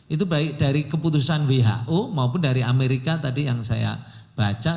itu baik dari keputusan who maupun dari amerika tadi yang saya baca